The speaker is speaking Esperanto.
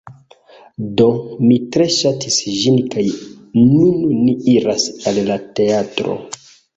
Do, mi tre ŝatis ĝin kaj nun ni iras al la teatro